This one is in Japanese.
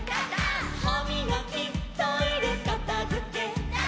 「はみがきトイレかたづけ」「」